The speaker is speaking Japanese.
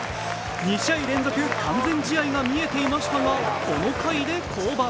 ２試合連続完全試合が見えていましたが、この回で降板。